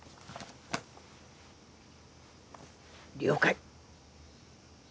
了解。